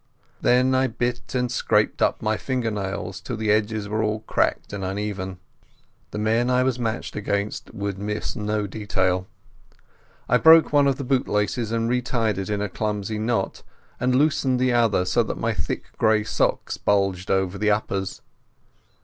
Then I bit and scraped my finger nails till the edges were all cracked and uneven. The men I was matched against would miss no detail. I broke one of the bootlaces and retied it in a clumsy knot, and loosed the other so that my thick grey socks bulged over the uppers.